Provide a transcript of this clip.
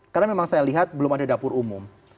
karena memang saya lihat belum ada dapur umum